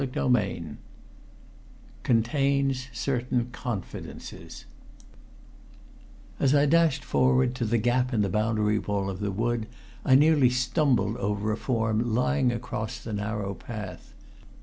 CHAPTER V CONTAINS CERTAIN CONFIDENCES As I dashed forward to the gap in the boundary wall of the wood, I nearly stumbled over a form lying across the narrow path.